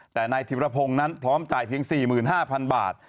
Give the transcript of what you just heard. แต่นายธิรพงศ์นั้นพร้อมจ่ายเพียง๔๕๐๐๐บาท